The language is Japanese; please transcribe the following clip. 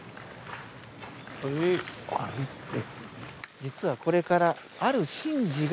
実はこれから。